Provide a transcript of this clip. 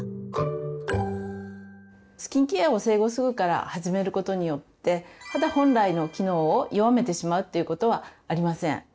スキンケアを生後すぐから始めることによって肌本来の機能を弱めてしまうということはありません。